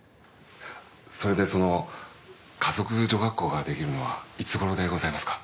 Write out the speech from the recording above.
それでその華族女学校ができるのはいつ頃でございますか？